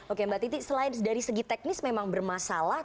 oke mbak titi selain dari segi teknis memang bermasalah